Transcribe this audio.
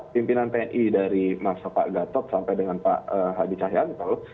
pimpinan tni dari mas pak gatot sampai dengan pak hadi cahyanto